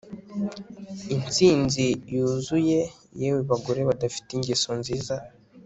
Intsinzi yuzuye yewe bagore badafite ingeso nziza